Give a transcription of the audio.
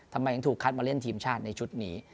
ทำไมถึงถูกคัดมาเล่นทีมชาติในชุดนี้